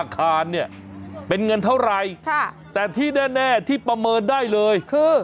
คารเนี่ยเป็นเงินเท่าไรแต่ที่แน่ที่ประเมินได้เลยคือ